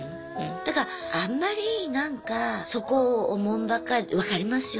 だからあんまりなんかそこをおもんぱかる分かりますよ